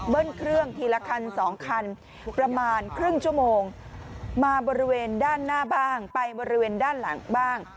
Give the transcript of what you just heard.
เครื่องทีละคัน๒คันประมาณครึ่งชั่วโมงมาบริเวณด้านหน้าบ้างไปบริเวณด้านหลังบ้าง